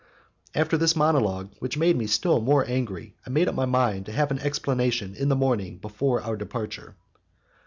After this monologue, which had made me still more angry, I made up my mind to have an explanation in the morning before our departure.